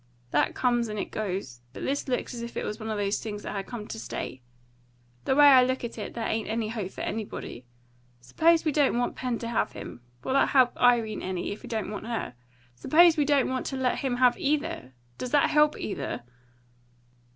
That comes and it goes; but this looks as if it was one of those things that had come to stay. The way I look at it, there ain't any hope for anybody. Suppose we don't want Pen to have him; will that help Irene any, if he don't want her? Suppose we don't want to let him have either; does that help either!"